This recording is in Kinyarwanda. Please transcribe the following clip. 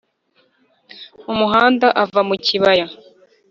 umuhanda uva mu kibaya;